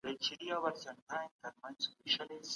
سياست هيڅکله د فردي ګټو لوبه نه ده.